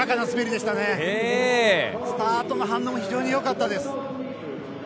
スタートの反応も非常に良かったです。